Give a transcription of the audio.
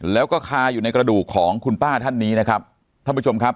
แล้วก็คาอยู่ในกระดูกของคุณป้าท่านนี้นะครับท่านผู้ชมครับ